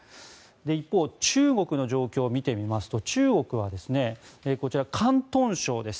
一方、中国の状況を見てみますと中国はこちら、広東省です。